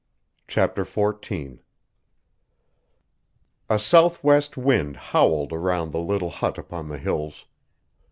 CHAPTER XIV A southwest wind howled around the little hut upon the Hills.